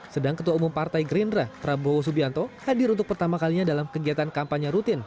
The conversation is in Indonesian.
sedang ketua umum partai gerindra prabowo subianto hadir untuk pertama kalinya dalam kegiatan kampanye rutin